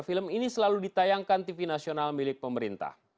film ini selalu ditayangkan tv nasional milik pemerintah